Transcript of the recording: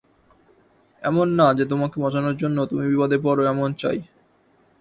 এমন না যে তোমাকে বাঁচানোর জন্য তুমি বিপদে পড়ো এমন চাই।